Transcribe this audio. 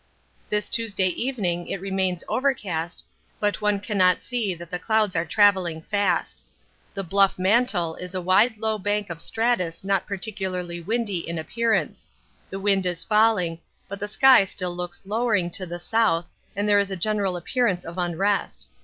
This Tuesday evening it remains overcast, but one cannot see that the clouds are travelling fast. The Bluff mantle is a wide low bank of stratus not particularly windy in appearance; the wind is falling, but the sky still looks lowering to the south and there is a general appearance of unrest.